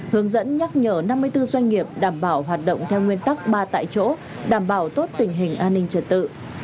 hướng dẫn nhắc nhở năm mươi bốn doanh nghiệp đảm bảo hoạt động theo nguyên tắc ba tại chỗ đảm bảo tốt tình hình an ninh trật tự